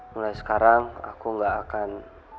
mulai sekarang aku gak akan